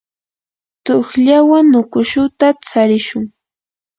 tuqllawan ukushuta tsarishun.